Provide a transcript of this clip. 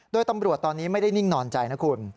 โดยตำรวจตอนนี้ไม่ได้นิ่งนอนใจนะคุณ